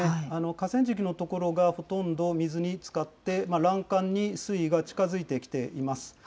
河川敷の所がほとんど水につかって、欄干に水位が近づいてきています。